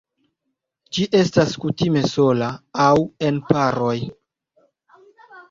Ĝi estas kutime sola aŭ en paroj.